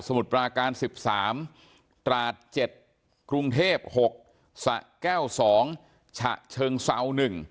สมุทรปราการ๑๓รายตราช๗รายกรุงเทพฯ๖รายสะแก้ว๒รายฉะเชิงเศร้า๑